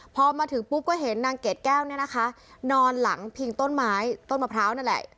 พอมาถึงปุ๊บก็เห็นนางเกดแก้วเนี่ยนะคะนอนหลังพิงต้นไม้ต้นมะพร้าวนั่นแหละ